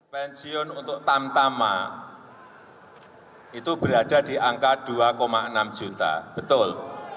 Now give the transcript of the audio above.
pensiun untuk tamtama itu berada di angka dua enam juta betul